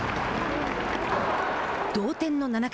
同点の７回。